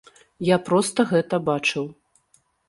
Я проста гэта бачыў.